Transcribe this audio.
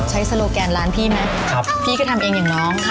ใช้โซโลแกนร้านพี่ไหมครับพี่ก็ทำเองอย่างน้องค่ะ